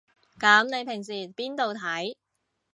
噉你平時邊度睇